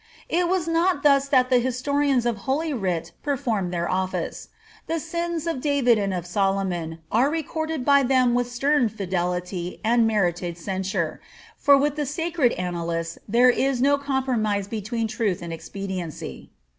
It was not thus that the historians of holy writ performed their office. The sins of David and of Solomcm are recorded by them with stern fidelity and merited censure, for with the sacred annalists there is no compromise between truth and expediency.